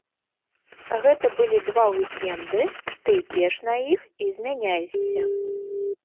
Гэта былі два ўік-энды, ты ідзеш на іх і змяняешся.